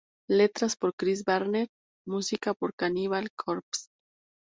Letras por Chris Barnes, musica por Cannibal Corpse.